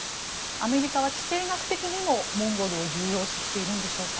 アメリカは地政学的にもモンゴルを重要視しているんでしょうか。